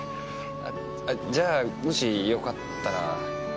じゃあもしよかったら。